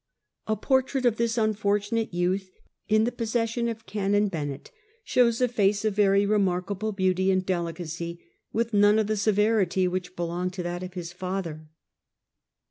A jiortrait of tliis unfoi'tunate youth in the possession of Canon liennett shows a face of very remarkable beauty and delicacy, with none of the severity which belonged to that of his father.